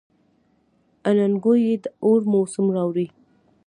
اننګو یې د اور موسم راوړی.